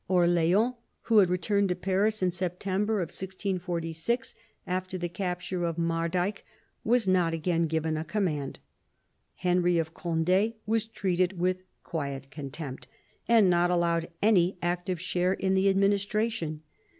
Orleans, who had returned to Paris in September 1646, after the capture of Mardyke, was not again given a command ; Henry of Cond^ was treated with quiet contempt, and not allowed any active share in the administration.